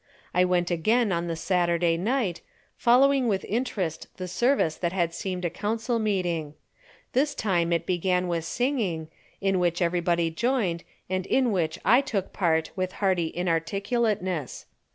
I went again on the Saturday night, following with interest the service that had seemed a council meeting. This time it began with singing, in which everybody joined and in which I took part with hearty inarticulateness.